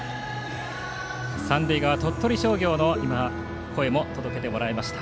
三塁側、鳥取商業の声も届けてもらいました。